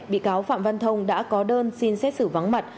bị cáo phạm văn thông đã có đơn xin xét xử vắng mặt